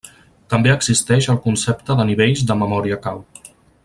També existeix el concepte de nivells de memòria cau.